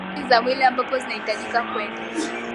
li mbali za mwili ambapo zinahitajika kwenda